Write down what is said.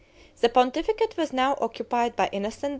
The pontificate was now occupied by Innocent IV.